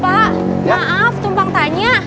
pak maaf tumpang tanya